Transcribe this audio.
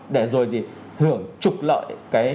để rồi thì thưởng trục lợi